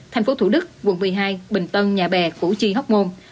thành phố thủ đức quận một mươi hai bình tân nhà bè củ chi hóc môn